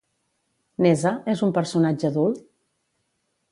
Nezha és un personatge adult?